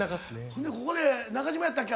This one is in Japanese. ほんでここでナカジマやったっけ？